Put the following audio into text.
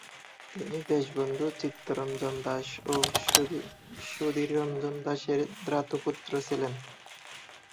তিনি দেশবন্ধু চিত্তরঞ্জন দাশ এবং সুধীরঞ্জন দাশের ভ্রাতুষ্পুত্র ছিলেন।